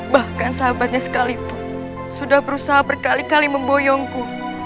bahkan sahabatnya sekalipun sudah berusaha berkali kali memboyongku